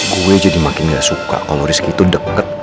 gue jadi makin ga suka kalo rizky tuh deket